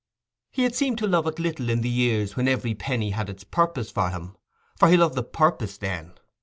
He had seemed to love it little in the years when every penny had its purpose for him; for he loved the purpose then.